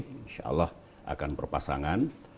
insyaallah akan berpasangan